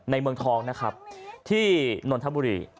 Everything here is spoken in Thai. เมืองทองนะครับที่นนทบุรี